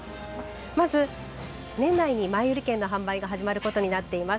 まず年内に前売り券の販売が始まることになっています。